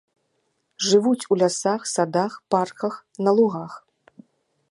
Жывуць у лясах, садах, парках, на лугах.